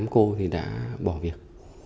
bốn mươi tám cô đã bỏ việc